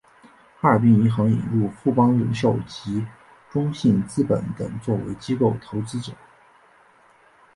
哈尔滨银行引入富邦人寿及中信资本等作为机构投资者。